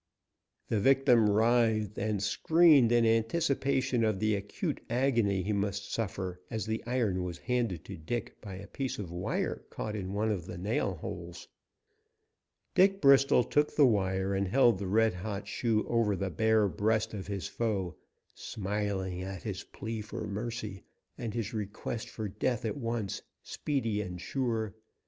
The victim writhed and screamed in anticipation of the acute agony he must suffer, as the iron was handed to Dick by a piece of wire caught in one of the nail holes. Dick Bristol took the wire and held the red hot shoe over the bare breast of his foe, smiling at his plea for mercy and his request for death at once, speedy and sure.